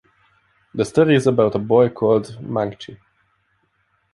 The story is about a boy called Mangchi.